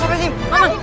pak pajim aman